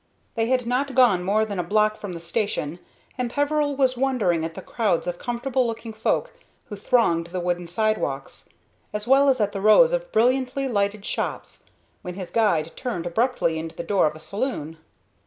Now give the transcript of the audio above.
They had not gone more than a block from the station, and Peveril was wondering at the crowds of comfortable looking folk who thronged the wooden sidewalks, as well as at the rows of brilliantly lighted shops, when his guide turned abruptly into the door of a saloon.